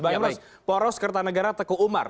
bang emros poros kertanegaraan teku umar